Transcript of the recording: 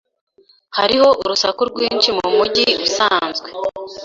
Hariho urusaku rwinshi mumujyi usanzwe.